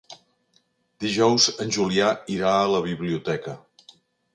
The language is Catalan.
Dijous en Julià irà a la biblioteca.